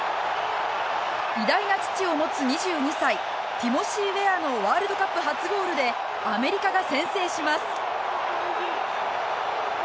偉大な父を持つ２２歳ティモシー・ウェアのワールドカップ初ゴールでアメリカが先制します。